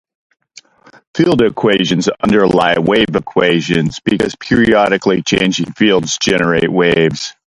Field equations underlie wave equations, because periodically changing fields generate waves.